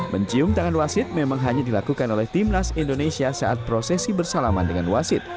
mencium tangan wasit memang hanya dilakukan oleh timnas indonesia saat prosesi bersalaman dengan wasit